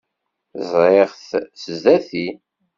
Zṛiɣ-t sdat-i.